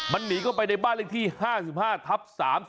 มันหนีเข้าไปในบ้านเลขที่๕๕ทับ๓๔